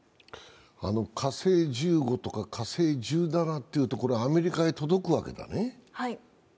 火星１５とか火星１７というところはアメリカへ届くわけだね。